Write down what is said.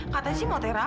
katanya dia mau ke amerika